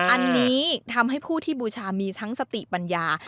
อันนี้ทำให้ผู้ที่บูชามีทั้งสติปัญญา